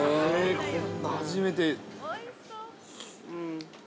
◆こんなの初めて。